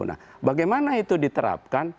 nah bagaimana itu diterapkan